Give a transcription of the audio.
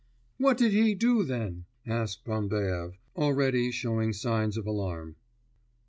'What did he do then?' asked Bambaev, already showing signs of alarm.